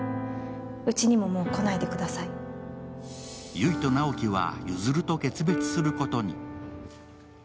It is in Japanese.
悠依と直木は譲と決別することに。